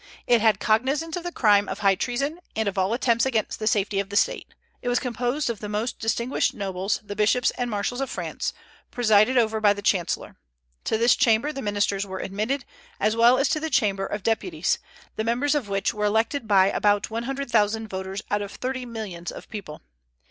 It had cognizance of the crime of high treason, and of all attempts against the safety of the State. It was composed of the most distinguished nobles, the bishops, and marshals of France, presided over by the chancellor. To this chamber the ministers were admitted, as well as to the Chamber of Deputies, the members of which were elected by about one hundred thousand voters out of thirty millions of people.